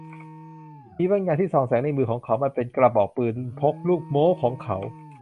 มีบางอย่างที่ส่องแสงในมือของเขา มันเป็นกระบอกปืนพกลูกโม้ของเขา